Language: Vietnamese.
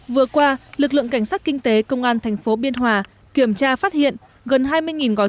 vừa qua lực lượng cảnh sát kinh tế công an thành phố biên hòa kiểm tra phát hiện gần hai mươi gói